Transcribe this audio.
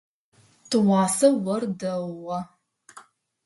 Тыгъуасэ ор дэгъугъэ.